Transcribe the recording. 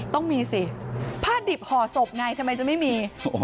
ต้องมีสิผ้าดิบห่อศพไงทำไมจะไม่มี